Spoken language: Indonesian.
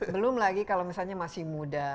belum lagi kalau misalnya masih muda